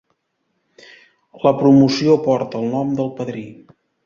La promoció porta el nom del padrí.